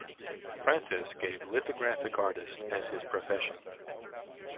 Francis gave 'Lithographic Artist' as his profession.